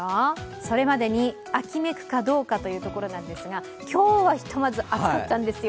それまでに秋めくかどうかというところなんですが今日はひとまず暑かったんですよ。